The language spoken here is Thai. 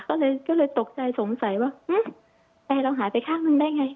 ก็เลยตกใจสงสัยว่าแอร์เราหายไปข้างหนึ่งได้ไง